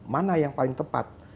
mana yang paling tepat